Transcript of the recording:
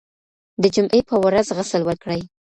د جمعې په ورځ غسل وکړئ.